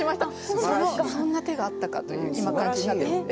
そんな手があったかという今感じになってる。